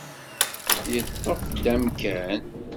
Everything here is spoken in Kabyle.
Yeṭṭef-d amkan.